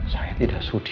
saya tidak sudi